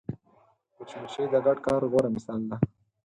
مچمچۍ د ګډ کار غوره مثال ده